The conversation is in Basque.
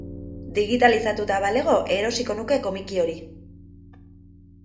Digitalizatuta balego erosiko nuke komiki hori.